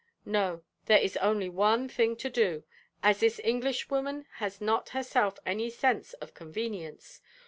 No, there is only one thing to do: as this Englishwoman has not herself any sense of 'convenience.'